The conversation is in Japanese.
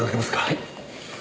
はい。